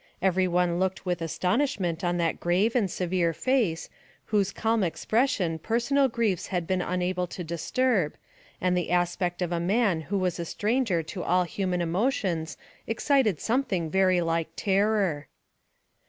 Everyone looked with astonishment on that grave and severe face, whose calm expression personal griefs had been unable to disturb, and the aspect of a man who was a stranger to all human emotions excited something very like terror.